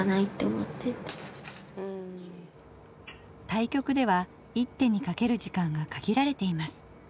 対局では一手にかける時間が限られています。